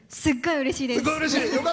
すっごいうれしいです！